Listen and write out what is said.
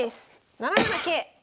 ７七桂。